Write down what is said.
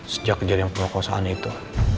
sejak jadinya pemerkosaan itu